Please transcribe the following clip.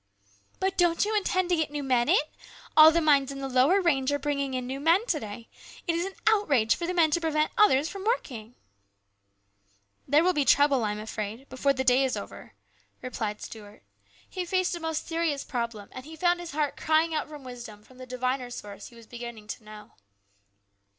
" But don't you intend to get new men in ? All the mines in the lower range are bringing in new men to day. It is an outrage for the men to prevent others from working !"" There will be trouble, I am afraid, before the day is over," replied Stuart. He faced a most serious problem, and he found his heart crying out for wisdom from the diviner source he was beginning to know.